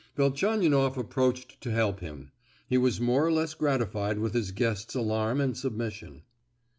Velchaninoff approached to help him. He was more or less gratified with his guest's alarm and submission.